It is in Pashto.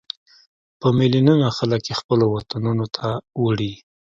په ملیونونو خلک یې خپلو وطنونو ته وړي.